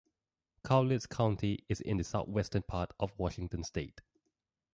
Cowlitz County is in the southwestern part of Washington state.